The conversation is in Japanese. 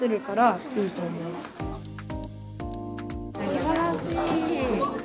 すばらしい！